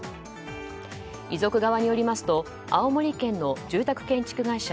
遺族側によりますと青森県の住宅建築会社